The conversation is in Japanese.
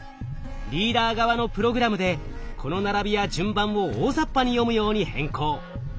リーダー側のプログラムでこの並びや順番を大ざっぱに読むように変更。